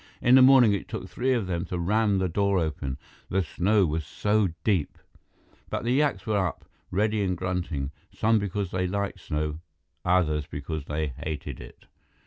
In the morning it took three of them to ram the door open, the snow was so deep. But the yaks were up, ready and grunting some because they liked snow; others because they hated it.